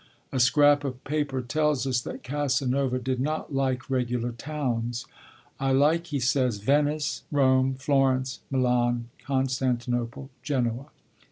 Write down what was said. A scrap of paper tells us that Casanova 'did not like regular towns.' 'I like,' he says, 'Venice, Rome, Florence, Milan, Constantinople, Genoa.'